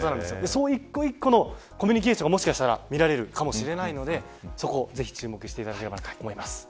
そういう一個一個のコミュニケーションがもしかしたら見られるかもしれないのでそこに注目していただければと思います。